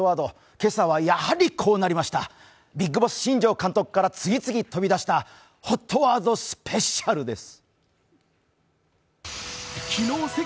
今朝はやはりこうなりました、ビッグボス・新庄監督から次々飛び出したＨＯＴワードスペシャルです。